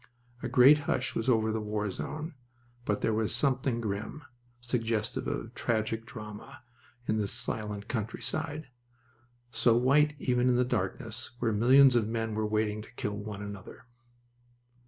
A great hush was over the war zone, but there was something grim, suggestive of tragic drama, in this silent countryside, so white even in the darkness, where millions of men were waiting to kill one another.